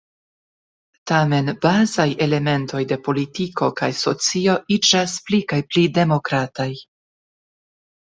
Tamen bazaj elementoj de politiko kaj socio iĝas pli kaj pli demokrataj.